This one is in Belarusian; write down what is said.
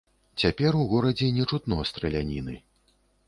Цяпер у горадзе не чутно страляніны.